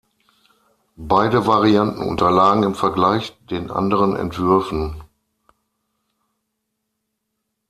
Beide Varianten unterlagen im Vergleich den anderen Entwürfen.